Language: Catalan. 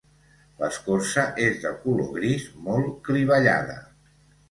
L'escorça és de color gris, molt clivellada.